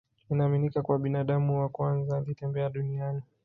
Inaaminika kuwa binadamu wa kwanza alitembea duniani